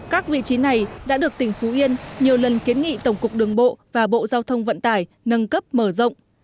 các vị trí này đã được tỉnh phú yên nhiều lần kiến nghị tổng cục đường bộ và bộ giao thông vận tải nâng cấp mở rộng